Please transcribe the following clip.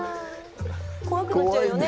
怖くなっちゃうよね。